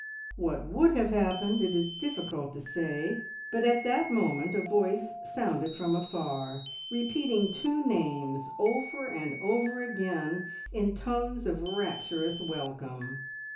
What would have happened it is difficult to say, but at that moment a voice sounded from afar, an eager voice repeating two names over and over again in tones of rapturous welcome.